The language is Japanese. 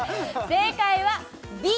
正解はＢ